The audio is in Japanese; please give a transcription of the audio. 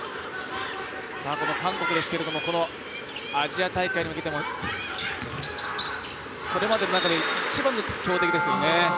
この韓国ですけれどもアジア大会に向けてもこれまでの中で一番の強敵ですよね。